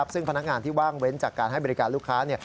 ซึ่งพนักงานที่ว่างเว้นจากการให้บริการลูกค้า